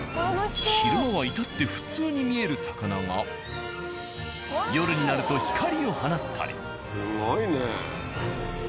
昼間は至って普通に見える魚が夜になると光を放ったり。